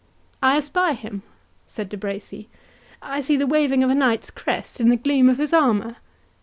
"I espy him," said De Bracy; "I see the waving of a knight's crest, and the gleam of his armour.